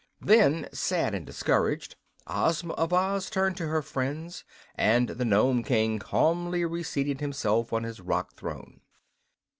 Then, sad and discouraged, Ozma of Oz turned to her friends, and the Nome King calmly reseated himself on his rock throne.